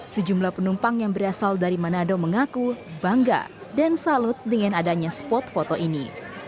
sejumlah penumpang yang berasal dari manado mengaku bangga dan salut dengan adanya spot foto ini